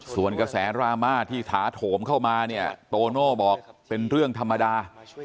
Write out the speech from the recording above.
ส่วนกระแสดราม่าที่ถาโถมเข้ามาเนี่ยโตโน่บอกเป็นเรื่องธรรมดา